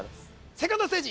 セカンドステージ